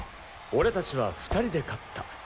俺達は２人で勝った。